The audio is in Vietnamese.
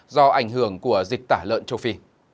do ảnh hưởng của dịch tả lợn châu phi